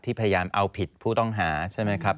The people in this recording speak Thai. พยายามเอาผิดผู้ต้องหาใช่ไหมครับ